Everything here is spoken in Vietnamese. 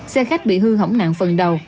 xe khách bị hư hỏng nạn phần đầu